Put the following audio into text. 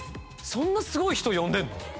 そんなスゴい人呼んでんの？